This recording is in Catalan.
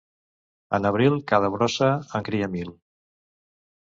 En abril cada brossa en cria mil.